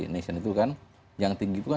nation itu kan yang tinggi itu kan